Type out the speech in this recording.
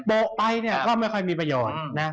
ไปเนี่ยก็ไม่ค่อยมีประโยชน์นะ